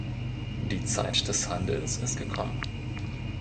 Die Zeit des Handelns ist gekommen.